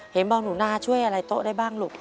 เห็นบอกหนูนาช่วยอะไรโต๊ะได้บ้างลูก